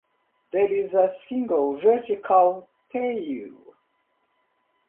There is a single vertical tail.